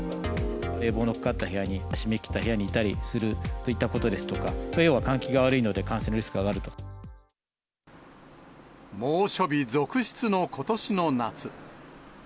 冷房のかかった部屋に、閉めきった部屋にいたりするということですとか、換気が悪いので、猛暑日続出のことしの夏。